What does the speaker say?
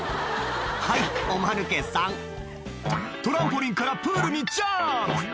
はいおマヌケさんトランポリンからプールにジャンプ！